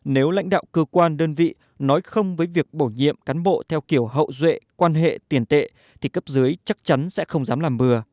nếu lãnh đạo cơ quan đơn vị nói không với việc bổ nhiệm cán bộ theo kiểu hậu duệ quan hệ tiền tệ thì cấp dưới chắc chắn sẽ không dám làm bừa